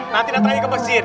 nanti nanti lagi ke masjid